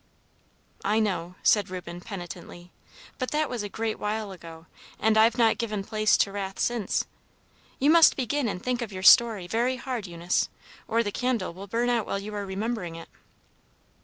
"I know," said Reuben, penitently. "But that was a great while ago, and I've not given place to wrath since. You must begin and think of your story very hard, Eunice, or the candle will burn out while you are remembering it."